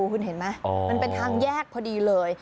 คุณเห็นไหมมันเป็นทางแยกพอดีเลย